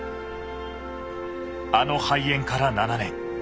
あの肺炎から７年。